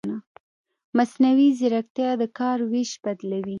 مصنوعي ځیرکتیا د کار وېش بدلوي.